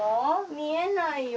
見えないよ